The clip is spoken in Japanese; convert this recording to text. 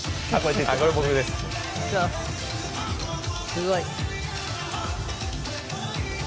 すごい。